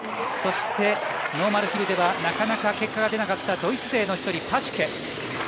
そしてノーマルヒルではなかなか結果が出なかったドイツ勢の１人、パシュケ。